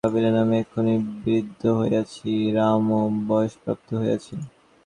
রামচন্দ্রের বিবাহের পর রাজা দশরথ ভাবিলেন আমি এক্ষণে বৃদ্ধ হইয়াছি, রামও বয়ঃপ্রাপ্ত হইয়াছে।